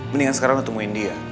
mendingan sekarang ketemuin dia